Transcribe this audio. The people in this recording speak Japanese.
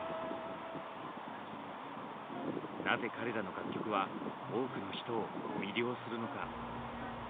なぜ彼らの楽曲は多くの人を魅了するのか。